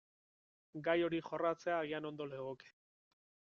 Gai hori jorratzea agian ondo legoke.